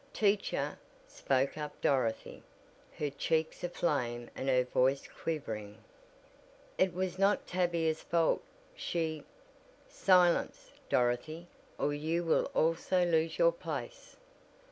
"Teacher," spoke up Dorothy, her cheeks aflame and her voice quivering. "It was not Tavia's fault. She " "Silence, Dorothy, or you will also lose your place."